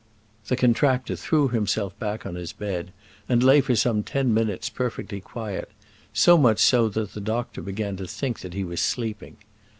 The contractor threw himself back on his bed, and lay for some ten minutes perfectly quiet; so much so that the doctor began to think that he was sleeping.